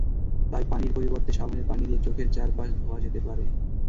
তাই পানির পরিবর্তে সাবানের পানি দিয়ে চোখের চারপাশ ধোয়া যেতে পারে।